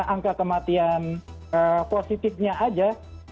angka kematian positifnya aja